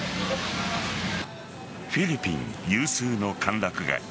フィリピン有数の歓楽街。